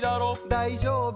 だいじょうぶ